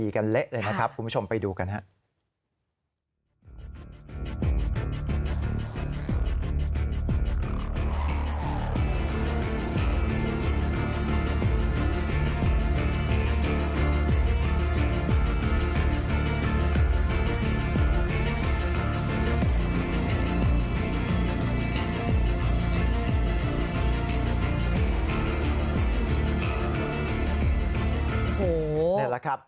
ตีกันเลยเลยนะครับคุณผู้ชมไปดูกันครับ